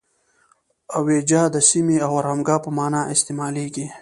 اویجه د سیمې او آرامګاه په معنی استعمالیږي.